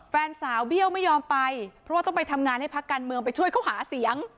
แฟนสาวเบี้ยวไม่ยอมไปเพราะว่าต้องไปทำงานให้พักการเมืองไปช่วยเขาหาเสียง